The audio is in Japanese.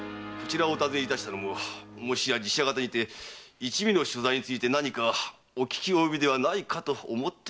こちらをお訪ねしたのももしや寺社方にて一味の所在について何かお聞き及びではないかと。